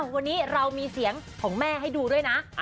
วันนี้เรามีเสียงของแม่ให้ดูด้วยนะ